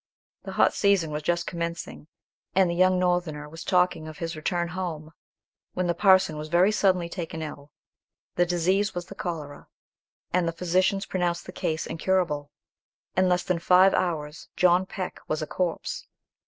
The hot season was just commencing, and the young Northerner was talking of his return home, when the parson was very suddenly taken ill. The disease was the cholera, and the physicians pronounced the case incurable. In less than five hours John Peck was a corpse.